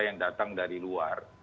yang datang dari luar